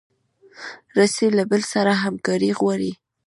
رسۍ له بل سره همکاري غواړي.